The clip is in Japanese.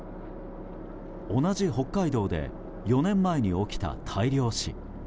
同じ北海道で４年前に起きた大量死。